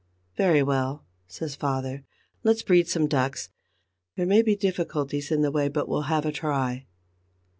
"Very well," says father, "let's breed some ducks. There may be difficulties in the way; but we'll have a try."